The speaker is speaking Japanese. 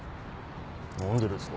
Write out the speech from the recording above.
何でですか？